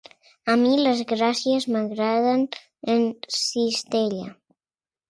A mi les gràcies m'agraden en cistella.